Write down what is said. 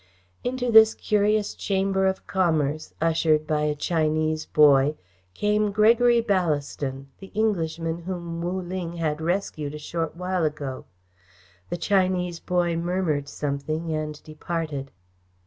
Into this curious chamber of commerce, ushered by a Chinese boy, came Gregory Ballaston, the Englishman whom Wu Ling had rescued a short while ago. The Chinese boy murmured something and departed.